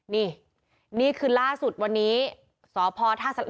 นี่คือล่าสุดวันนี้สพท่าสารา